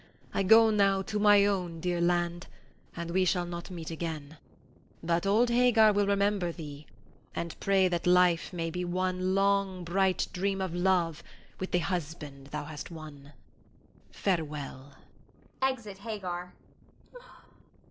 I go now to my own dear land, and we shall not meet again; but old Hagar will remember thee, and pray that life may be one long, bright dream of love with the husband thou hast won. Farewell. [Exit Hagar.